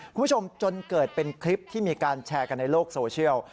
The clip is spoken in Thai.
คุณผู้ชมจนเกิดเป็นคลิปที่มีการแชร์กันในโลกโซเชียล